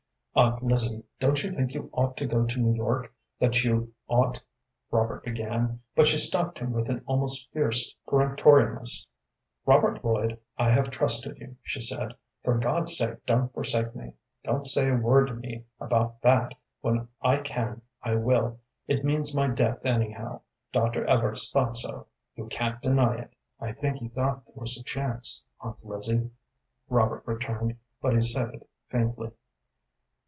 "Aunt Lizzie, don't you think you ought to go to New York, that you ought " Robert began, but she stopped him with an almost fierce peremptoriness. "Robert Lloyd, I have trusted you," she said. "For God's sake, don't forsake me. Don't say a word to me about that; when I can I will. It means my death, anyhow. Dr. Evarts thought so; you can't deny it." "I think he thought there was a chance, Aunt Lizzie," Robert returned, but he said it faintly.